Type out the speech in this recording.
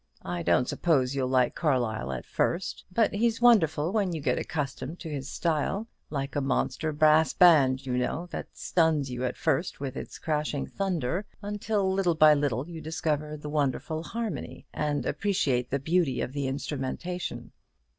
I don't suppose you'll like Carlyle at first; but he's wonderful when you get accustomed to his style like a monster brass band, you know, that stuns you at first with its crashing thunder, until, little by little, you discover the wonderful harmony, and appreciate the beauty of the instrumentation.